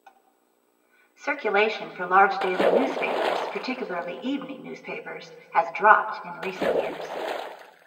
Circulation for large daily newspapers, particularly evening newspapers, has dropped in recent years.